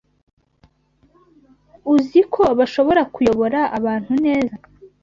uzi ko bashobora kuyobora abantu neza